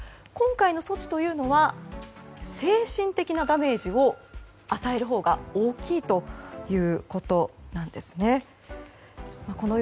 今回の措置というのは精神的なダメージを与えるほうが大きいということなんですね。